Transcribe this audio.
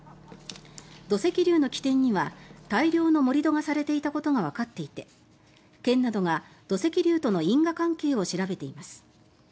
土石流の起点には大量の盛り土がされていたことがわかっていて県などが土石流との因果関係を調べています。